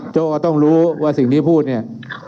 โจ้ก็ต้องรู้ว่าสิ่งที่พูดเนี่ย